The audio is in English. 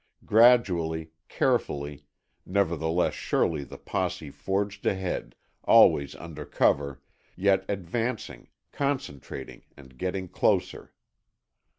Gradually, carefully, nevertheless surely the posse forged ahead, always under cover, yet advancing, concentrating and getting closer.